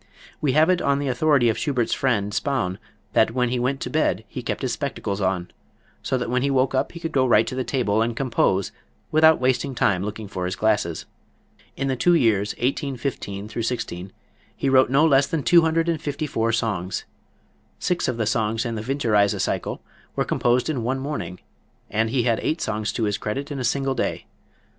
We have it on the authority of Schubert's friend, Spaun, that when he went to bed he kept his spectacles on, so that when he woke up he could go right to the table and compose without wasting time looking for his glasses. In the two years 1815 16 he wrote no less than two hundred and fifty four songs. Six of the songs in the "Winterreise" cycle were composed in one morning, and he had eight songs to his credit in a single day.